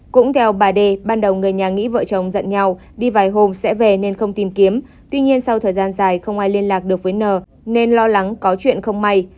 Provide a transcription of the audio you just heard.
cũng theo bà đê ban đầu người nhà nghĩ vợ chồng dặn nhau đi vài hôm sẽ về nên không tìm kiếm tuy nhiên sau thời gian dài không ai liên lạc được với n nên lo lắng có chuyện không may